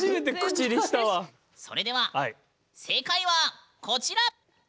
それでは正解はこちら！